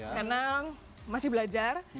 kenang masih belajar